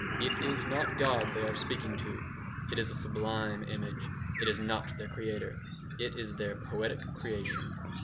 It is not God they are speaking to. It is a sublime image. It is not their Creator. It is their poetic creation."